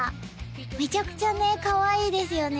めちゃくちゃねかわいいですよね